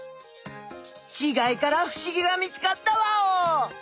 ちがいからふしぎが見つかったワオ！